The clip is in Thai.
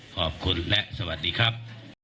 ขอบคุณและสวัสดีครับ